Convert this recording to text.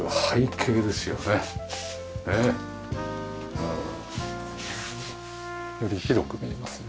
うん。より広く見えますね。